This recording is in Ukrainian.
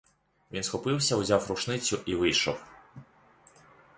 Він схопився, узяв рушницю і вийшов.